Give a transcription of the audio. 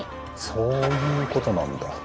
そういうことなんだ。